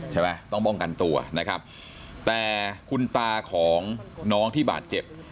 ใช่ไหมต้องป้องกันตัวนะครับแต่คุณตาของน้องที่บาดเจ็บ